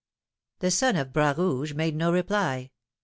The son of Bras Rouge made no reply.